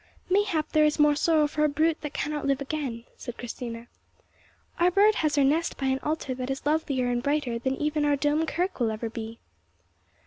"Mayhap there is more sorrow for a brute that cannot live again," said Christina. "Our bird has her nest by an Altar that is lovelier and brighter than even our Dome Kirk will ever be."